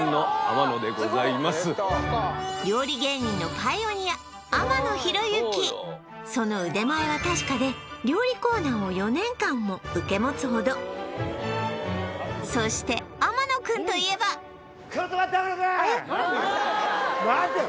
そこにはあるどうもその腕前は確かで料理コーナーを４年間も受け持つほどそして天野くんといえば何だよ・